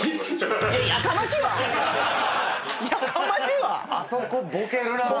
やかましいわ！